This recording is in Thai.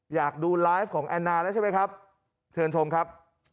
อยากดูไลฟ์ของแอนนาแล้วใช่ไหมครับเชิญชมครับ